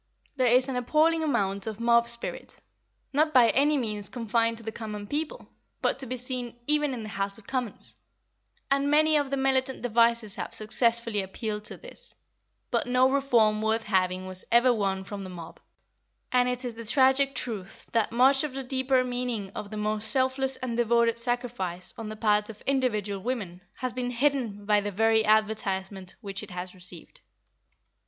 There is an appalling amount of mob spirit (not by any means confined to the common people, but to be seen even in the House of Commons), and many of the militant devices have successfully appealed to this; but no reform worth having was ever won from the mob, and it is the tragic truth that much of the deeper meaning of the most selfless and devoted sacrifice on the part of individual women has been hidden by the very advertisement which it has received.